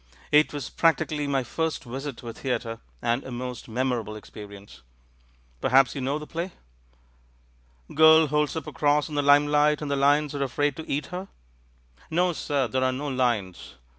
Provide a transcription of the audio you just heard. It was practically my first visit to a theatre, and a most memorable experience. Perhaps you know the play?" "Girl holds up a cross in the limelight and the lions are afraid to eat her?" "No, sir, there are no lions.